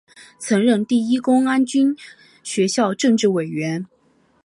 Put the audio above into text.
曾任第一公安军学校政治委员。